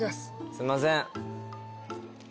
すんません。